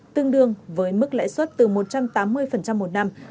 tương đương với mức lãi suất từ một trăm tám mươi một năm đến ba trăm sáu mươi một năm